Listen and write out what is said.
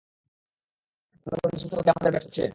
আপনার গোয়েন্দা সংস্থাগুলো কি আমাদের ব্যর্থ করছে?